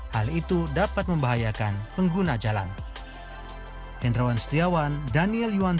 hal itu dapat membahayakan pengguna jalan